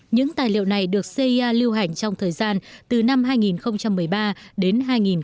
những tài liệu này được cia lưu hành trong thời gian từ năm hai nghìn một mươi ba đến hai nghìn một mươi bảy